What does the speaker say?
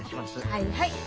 はいはい。